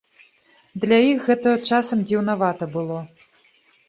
Для іх гэта часам дзіўнавата было.